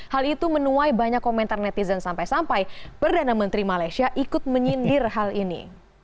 hal itu menuai banyak komentar netizen sampai sampai perdana menteri malaysia ikut menyindir hal ini